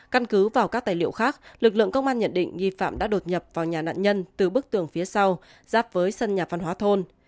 căn cứ vào các tài liệu khác lực lượng công an nhận định nghi phạm đã đột nhập vào nhà nạn nhân từ bức tường phía sau giáp với sân nhà văn hóa thôn